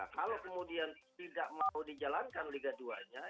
kalau kemudian tidak mau dijalankan liga dua nya